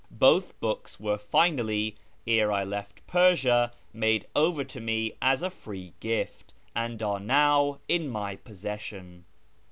Both books were finally, ere I left Persia, made over to me as a free gift, and are now in my possession.